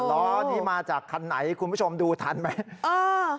ล้อนี้มาจากคันไหนคุณผู้ชมดูทันไหม